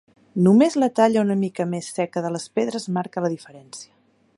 Només la talla una mica més seca de les pedres marca la diferència.